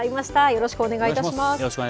よろしくお願いします。